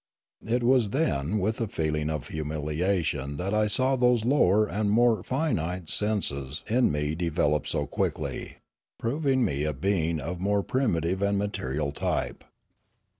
It was then with a feeling of humiliation that I saw those lower and more finite senses in me develop so quickly, proving me a being of a more primitive and material type.